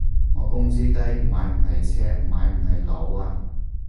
我工資低，買唔起車買唔起樓啊